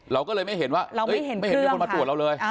เราก็เลยไม่เห็นว่าไม่เห็นมีคนมาตรวจเราเลย